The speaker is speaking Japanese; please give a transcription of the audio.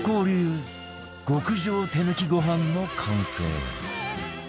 流極上手抜きご飯の完成